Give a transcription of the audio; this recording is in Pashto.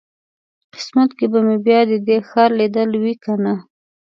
قسمت کې به مې بیا د دې ښار لیدل وي کنه.